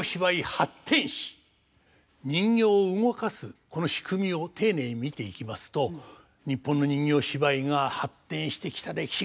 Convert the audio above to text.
人形を動かすこの仕組みを丁寧に見ていきますと日本の人形芝居が発展してきた歴史